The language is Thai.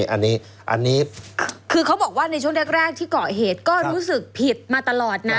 อันนี้คือเขาบอกว่าในช่วงแรกที่เกาะเหตุก็รู้สึกผิดมาตลอดนะ